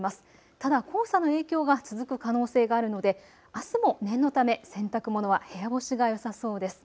ただ黄砂の影響が続く可能性があるのであすも念のため洗濯物は部屋干しがよさそうです。